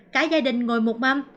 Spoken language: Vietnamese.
cả gia đình ngồi một mâm